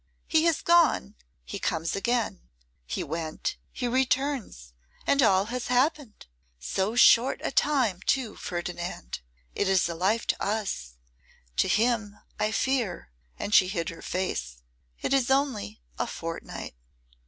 He has gone, he comes again; he went, he returns; and all has happened. So short a time, too, Ferdinand. It is a life to us; to him, I fear,' and she hid her face, 'it is only a fortnight.